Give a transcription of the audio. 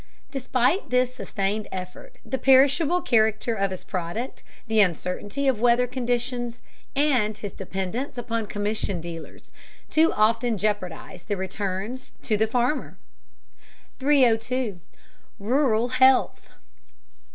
Despite this sustained effort, the perishable character of his product, the uncertainty of weather conditions, and his dependence upon commission dealers, too often jeopardize the returns to the farmer. 302. RURAL HEALTH.